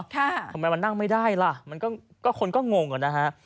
ทำไมมันนั่งไม่ได้ล่ะมันก็คนก็งงอ่ะนะฮะ